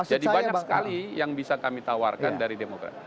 jadi banyak sekali yang bisa kami tawarkan dari demokrat